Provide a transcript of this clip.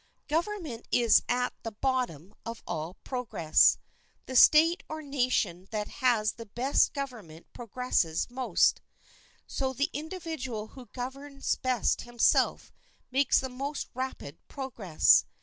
Government is at the bottom of all progress. The state or nation that has the best government progresses most; so the individual who governs best himself makes the most rapid progress.